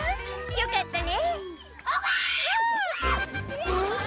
よかったねうん？